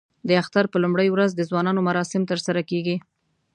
د اختر په لومړۍ ورځ د ځوانانو مراسم ترسره کېږي.